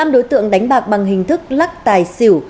một mươi năm đối tượng đánh bạc bằng hình thức lắc tài xỉu